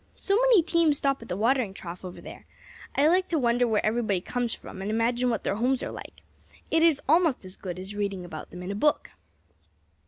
So many teams stop at the watering trough over there. I like to wonder where everybody comes from, and imagine what their homes are like. It is almost as good as reading about them in a book."